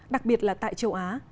đặc biệt là tại châu á